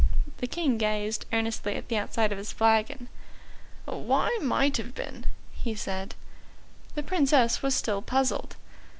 The King gazed earnestly at the outside of his flagon. "Why 'might have been?'" he said. The Princess was still puzzled.